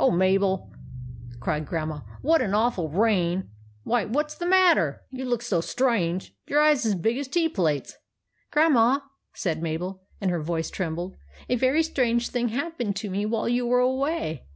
"Oh, Mabel !" cried Grandma. "What an awful rain ! Why, what 's the matter ? You look so strange, — your eyes are as big as tea plates !"" Grandma," said Mabel, and her voice trembled, " a very strange thing happened to me while you were away.